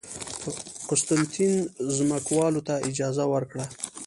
قسطنطین ځمکوالو ته اجازه ورکړه